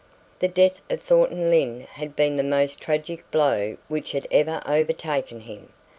The death of Thornton Lyne had been the most tragic blow which had ever overtaken him.